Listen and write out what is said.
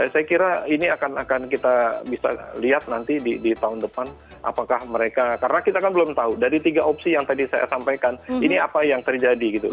saya kira ini akan kita bisa lihat nanti di tahun depan apakah mereka karena kita kan belum tahu dari tiga opsi yang tadi saya sampaikan ini apa yang terjadi gitu